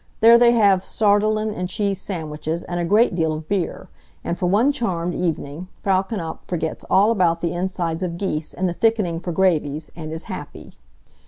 There they have sardellen and cheese sandwiches and a great deal of beer, and for one charmed evening Frau Knapf forgets all about the insides of geese and the thickening for gravies, and is happy.